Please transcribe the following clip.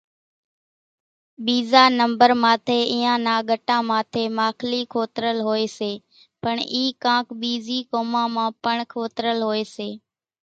ٻيزا نمڀر ماٿيَ اينيان نا ڳٽا ماٿيَ ماکلِي کوترل هوئيَ سي، پڻ اِي ڪانڪ ٻيزِي قومان مان پڻ کوتريل هوئيَ سي۔